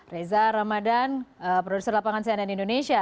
reza ramadan produser lapangan cnn indonesia